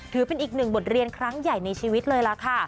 ถือเป็นอีกหนึ่งบทเรียนครั้งใหญ่ในชีวิตเลยล่ะค่ะ